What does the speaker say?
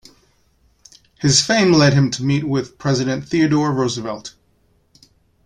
His fame led him to meet with President Theodore Roosevelt.